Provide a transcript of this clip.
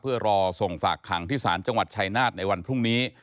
เพื่อรอส่งฝากขังที่ศาลจังหวัดชายนาฏในวันพรุ่งนี้